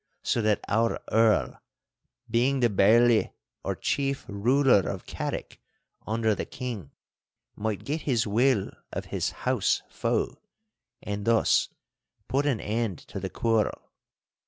So that our Earl, being the Bailzie or chief ruler of Carrick under the King, might get his will of his house foe, and thus put an end to the quarrel.